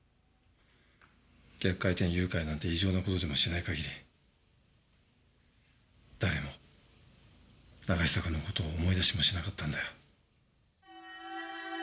逆回転誘拐なんて異常な事でもしない限り誰も永久くんの事を思い出しもしなかったんだよ。